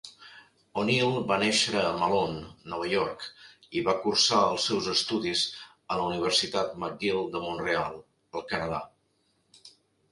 O'Neill va néixer a Malone, Nova York, i va cursar els seus estudis a la Universitat McGill de Mont-real, al Canadà.